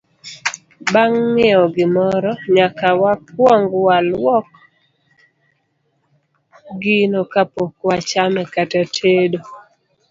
Bang' ng'iewo gimoro, nyaka wakwong walwok gino kapok wachame kata tedo.